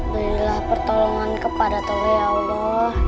berilah pertolongan kepada tuhan ya allah